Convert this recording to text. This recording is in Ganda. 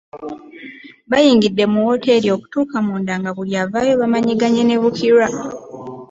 Bayingidde mu wooteeri okutuuka munda nga buli avaayo bamanyiganye ne Bukirwa.